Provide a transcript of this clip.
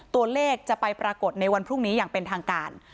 ตัวเลขจะไปปรากฏในวันพรุ่งนี้อย่างเป็นทางการ